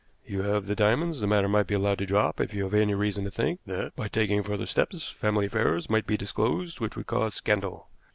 "You have the diamonds; the matter might be allowed to drop if you have any reason to think that, by taking further steps, family affairs might be disclosed which would cause scandal."